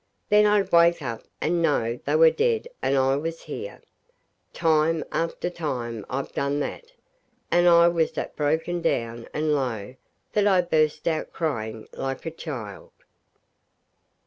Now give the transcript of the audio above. Then I'd wake up and know they were dead and I was here. Time after time I've done that, and I was that broken down and low that I burst out crying like a child.